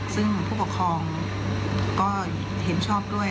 ซึ่งผู้ปกครองก็เห็นชอบด้วย